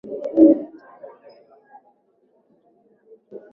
tatu Wakati huohuo ulikuwa pia kipindi kilicholeta habari za nchi mpya kwa